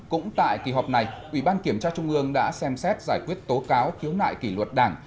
năm cũng tại kỳ họp này ủy ban kiểm tra trung ương đã xem xét giải quyết tố cáo khiếu nại kỷ luật đảng